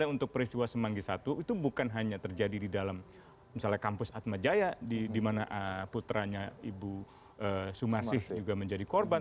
untuk peristiwa semanggi i itu bukan hanya terjadi di dalam misalnya kampus atmajaya di mana putranya ibu sumarsih juga menjadi korban